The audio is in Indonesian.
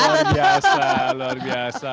luar biasa luar biasa